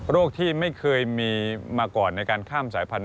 ที่ไม่เคยมีมาก่อนในการข้ามสายพันธ